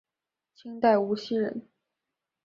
清代无锡人。